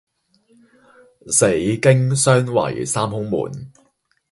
死、驚、傷為三凶門。